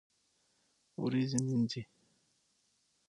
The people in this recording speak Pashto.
وريجي مينځي